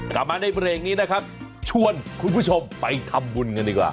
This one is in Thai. กลับมาในเบรกนี้นะครับชวนคุณผู้ชมไปทำบุญกันดีกว่า